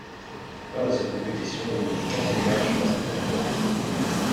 Lors de cette compétition, il ne joue qu'un seul match, face au Honduras.